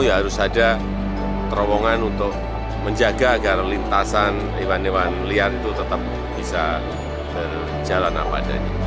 harus ada terowongan untuk menjaga agar lintasan hewan hewan liar itu tetap bisa berjalan apa adanya